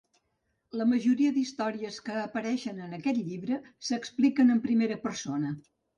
La majoria d'històries que apareixen en aquest llibre s'expliquen en primera persona.